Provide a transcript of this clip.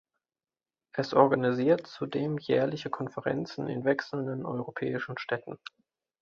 Es organisiert zudem jährliche Konferenzen in wechselnden europäischen Städten.